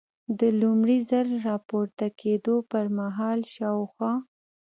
د لومړي ځل را پورته کېدو پر مهال شاوخوا.